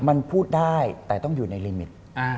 มันพูดได้แต่ต้องอยู่ในลิมิต